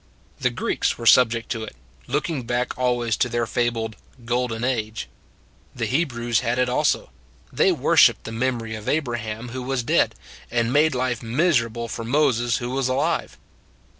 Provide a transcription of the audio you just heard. The Greeks were subject to it, looking back always to their fabled " Golden Age." The Hebrews had it also. They wor : shiped the memory of Abraham who was dead, and made life miserable for Moses who was alive.